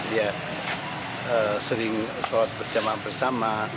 ya sering sholat berjamaah bersama